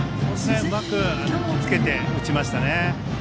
うまくひきつけて打ちましたね。